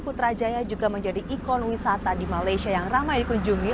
putrajaya juga menjadi ikon wisata di malaysia yang ramai dikunjungi